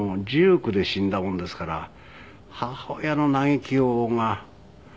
１９で死んだもんですから母親の嘆きようが。